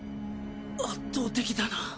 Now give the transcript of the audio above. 圧倒的だな。